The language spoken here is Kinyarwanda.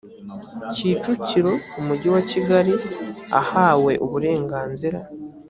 kicukiro umujyi wa kigali ahawe uburenganzira